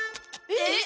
えっ！